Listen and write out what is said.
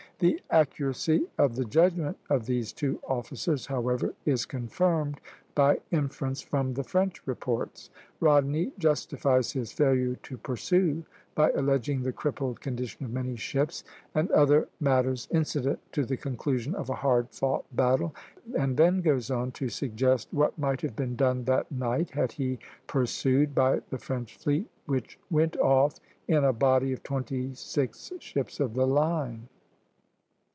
The accuracy of the judgment of these two officers, however, is confirmed by inference from the French reports. Rodney justifies his failure to pursue by alleging the crippled condition of many ships, and other matters incident to the conclusion of a hard fought battle, and then goes on to suggest what might have been done that night, had he pursued, by the French fleet, which "went off in a body of twenty six ships of the line."